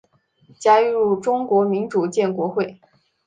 加入中国民主建国会。